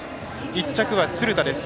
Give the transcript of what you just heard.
１着は鶴田です。